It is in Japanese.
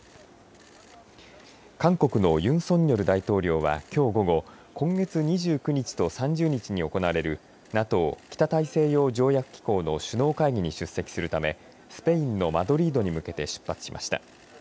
韓国のユン・ソンニョル大統領はきょう午後、今月２９日と３０日に行われるＮＡＴＯ・北大西洋条約機構の首脳会議に出席するためスペインのマドリードに向けて出発しました。